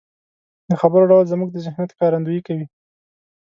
د خبرو ډول زموږ د ذهنيت ښکارندويي کوي.